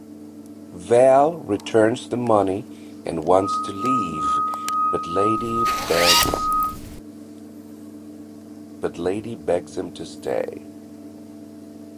Val returns the money and wants to leave, but Lady begs him to stay.